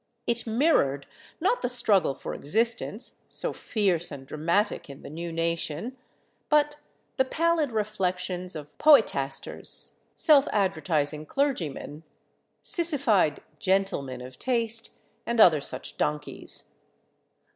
It mirrored, not the struggle for existence, so fierce and dramatic in the new nation, but the pallid reflections of poetasters, self advertising clergymen, sissified "gentlemen of taste," and other such donkeys.